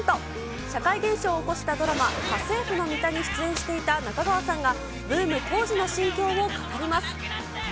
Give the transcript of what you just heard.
社会現象を起こしたドラマ、家政婦のミタに出演していた中川さんが、ブーム当時の心境を語ります。